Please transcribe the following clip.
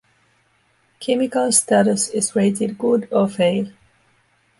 Chemical status is rated good or fail.